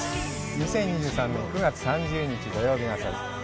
２０２３年９月３０日、土曜日の朝です。